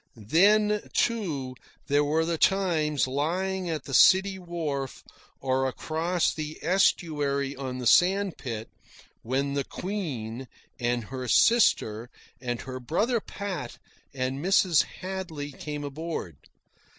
Then, too, there were the times, lying at the city wharf or across the estuary on the sand spit, when the Queen, and her sister, and her brother Pat, and Mrs. Hadley came aboard.